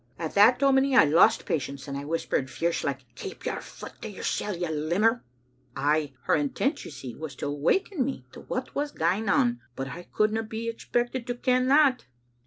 At that, dominie, I lost patience, and I whispered, fierce like, *Keep your foot to yoursel*, you limmer!* Ay, her intent, you see, was to waken me to what was gaen on, but I couldna be expected to ken that."